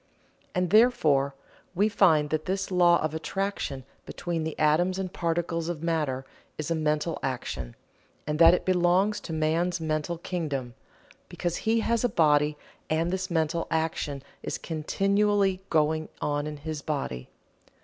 And therefore we find that this law of attraction between the atoms and particles of matter is a mental action, and that it belongs to man's mental kingdom, because he has a body and this mental action is continually going on in his body.